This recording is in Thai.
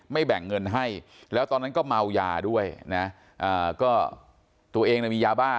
แบ่งเงินให้แล้วตอนนั้นก็เมายาด้วยนะก็ตัวเองมียาบ้า